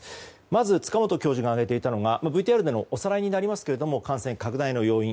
まず、塚本教授が挙げていたのはＶＴＲでのおさらいになりますが感染拡大の要因。